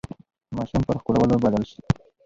ماشوم پر ښکلولو بدل شي.